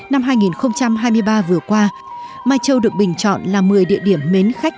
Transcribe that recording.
năm hai nghìn hai mươi ba vừa qua mai châu được bình chọn là một mươi địa điểm mến khách